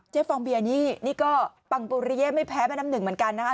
เจฟองเบียนี่ก็ปังปุเรียไม่แพ้แม่น้ำหนึ่งเหมือนกันนะคะ